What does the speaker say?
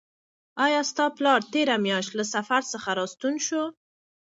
آیا ستا پلار تېره میاشت له سفر څخه راستون شو؟